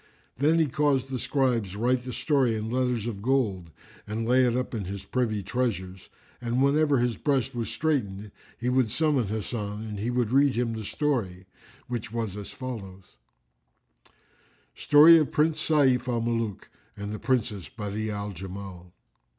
Then he caused the scribes write the story in letters of gold and lay it up in his privy treasures: and whenever his breast was straitened, he would summon Hasan and he would read him the story,[FN#353] which was as follows:— Story of Prince Sayf al Muluk and the Princess Badi'a al Jamal.